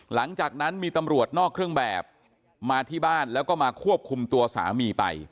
หลังจากนั้นมีตำรวจนอกเครื่องแบบมาที่บ้านแล้วก็มาควบคุมตัวสามีไป